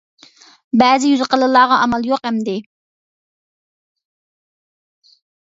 بەزى يۈزى قېلىنلارغا ئامال يوق ئەمدى!